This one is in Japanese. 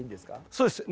そうです。